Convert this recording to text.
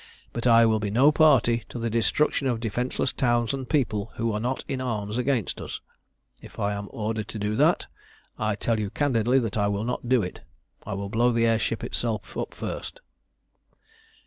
But I will be no party to the destruction of defenceless towns and people who are not in arms against us. If I am ordered to do that I tell you candidly that I will not do it. I will blow the air ship itself up first."